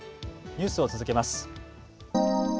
ニュースを続けます。